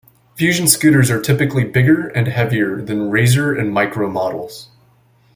Fuzion scooters are typically bigger and heavier than Razor and Micro models.